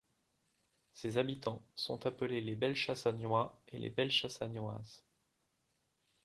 Ses habitants sont appelés les Bellechassagnois et les Bellechassagnoises.